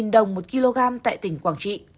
một đồng một kg tại tỉnh quảng trị